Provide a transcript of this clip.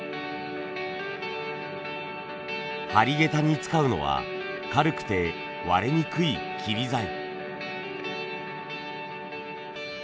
張下駄に使うのは軽くて割れにくい桐材。